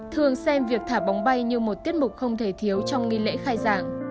thường xem việc thả bóng bay như một tiết mục không thể thiếu trong nghi lễ khai giảng